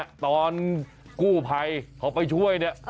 นี่ตอนกู้แผ่เขาไปช่วยเนี่ย